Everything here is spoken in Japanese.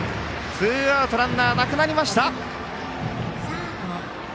ツーアウトランナーなくなりました。